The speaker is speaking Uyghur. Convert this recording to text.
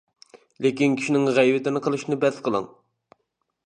لېكىن كىشىنىڭ غەيۋىتىنى قىلىشنى بەس قىلىڭ.